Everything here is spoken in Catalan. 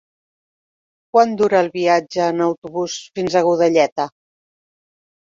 Quant dura el viatge en autobús fins a Godelleta?